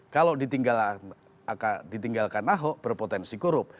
kalau ditinggalkan ahok berpotensi korup